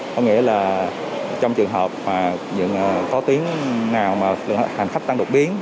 có nghĩa là trong trường hợp mà những có tuyến nào mà hành khách tăng độc biến